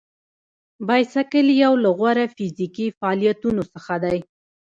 بایسکل یو له غوره فزیکي فعالیتونو څخه دی.